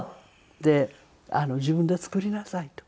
で「自分で作りなさい」と。